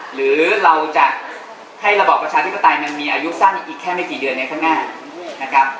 หรือเราจะให้ระบอบประชาธิปไตยมันมีอายุสั้นอีกแค่ไม่กี่เดือนในข้างหน้านะครับ